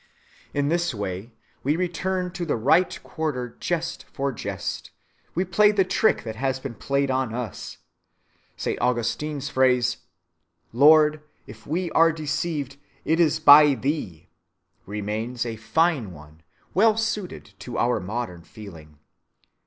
In this way we return to the right quarter jest for jest; we play the trick that has been played on us. Saint Augustine's phrase: Lord, if we are deceived, it is by thee! remains a fine one, well suited to our modern feeling.